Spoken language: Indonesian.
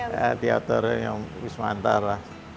di auditorium wisma antara